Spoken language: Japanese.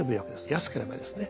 安ければですね。